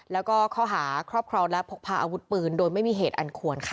แล้วก็ข้อหาครอบครองและพกพาอาวุธปืนโดยไม่มีเหตุอันควรค่ะ